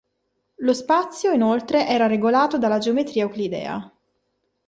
Lo spazio, inoltre, era regolato dalla geometria euclidea.